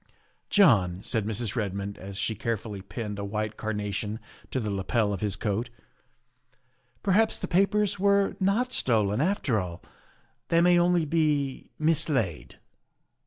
''" John," said Mrs. Redmond as she carefully pinned a white carnation to the lapel of his coat, " perhaps the papers were not stolen after all; they may only be mislaid."